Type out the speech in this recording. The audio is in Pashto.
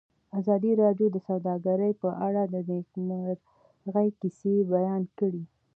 ازادي راډیو د سوداګري په اړه د نېکمرغۍ کیسې بیان کړې.